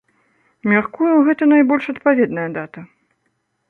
Мяркую, гэта найбольш адпаведная дата.